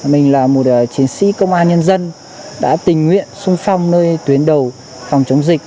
mình là một chiến sĩ công an nhân dân đã tình nguyện sung phong nơi tuyến đầu phòng chống dịch